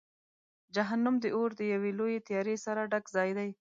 جهنم د اور د یوې لویې تیارې سره ډک ځای دی.